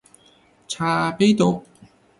茶百道